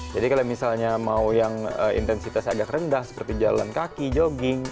jadi kalau misalnya mau yang intensitas agak rendah seperti jalan kaki jogging